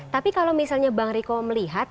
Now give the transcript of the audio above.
tapi kalau misalnya bang riko melihat